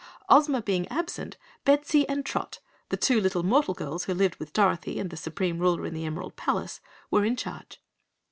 Ozma being absent, Bettsy and Trot, the two little mortal girls who lived with Dorothy and the Supreme Ruler in the Emerald Palace, were in charge.